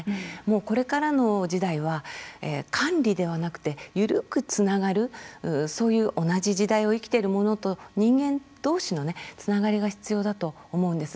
これからの時代は管理ではなくて緩くつながるそういう同じ時代を生きているものと人間どうしのつながりが必要だと思うんです。